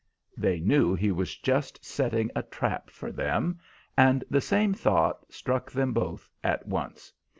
They knew he was just setting a trap for them, and the same thought struck them both at once.